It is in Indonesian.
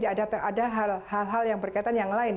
ada hal hal yang berkaitan yang lain